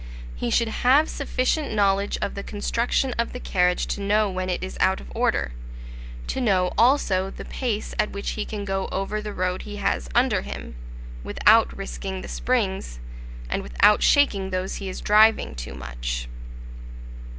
He should have sufficient knowledge of the construction of the carriage to know when it is out of order, to know, also, the pace at which he can go over the road he has under him, without risking the springs, and without shaking those he is driving too much.